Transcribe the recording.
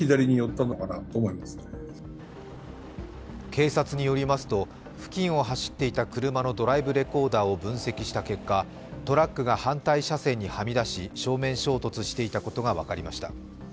警察によりますと、付近を走っていた車のドライブレコーダーを分析した結果、トラックが反対車線にはみ出し、正面衝突していたことが分かりました。